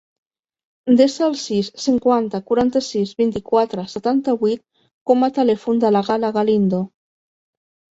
Desa el sis, cinquanta, quaranta-sis, vint-i-quatre, setanta-vuit com a telèfon de la Gala Galindo.